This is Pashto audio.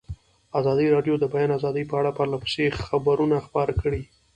ازادي راډیو د د بیان آزادي په اړه پرله پسې خبرونه خپاره کړي.